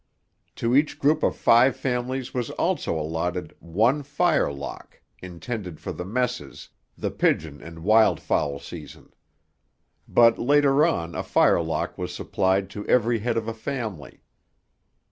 To each group of five families was also allotted 'one fire lock ... intended for the messes, the pigeon and wildfowl season'; but later on a fire lock was supplied to every head of a family.